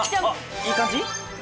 いい感じ？